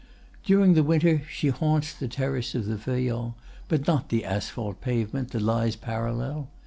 During the winter, she haunts the terrace of the Feuillants, but not the asphalt pavement that lies parallel.